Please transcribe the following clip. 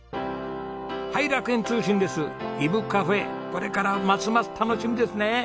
これからますます楽しみですね。